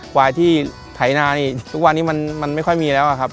ควายที่ไถนานี่ทุกวันนี้มันไม่ค่อยมีแล้วอะครับ